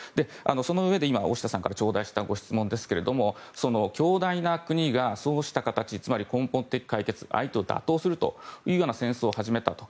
そのうえで今、大下さんから頂戴したご質問ですが強大な国がそうした形つまり根本的解決相手を打倒するために戦争を始めたと。